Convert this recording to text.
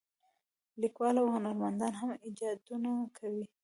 لیکوالان او هنرمندان هم ایجادونه کوي.